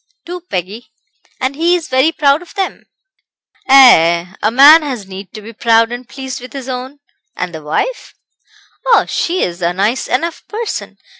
"Two, Peggy; and he is very proud of them." "Ay, ay; a man has need to be proud and pleased with his own. And the wife?" "Oh, she's a nice enough person.